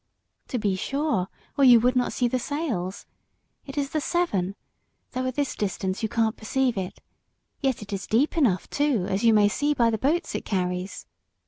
"To be sure, or you would not see the sails. It is the Severn; though at this distance you can't perceive it; yet it is deep enough too, as you may see by the boats it carries.